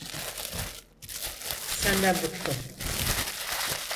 Senden bıktım.